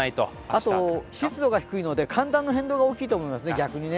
あと、湿度が低いので逆に寒暖の変動が大きいと思います。